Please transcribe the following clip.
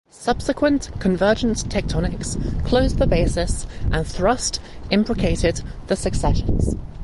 Subsequent convergent tectonics closed the basis and thrust imbricated the successions.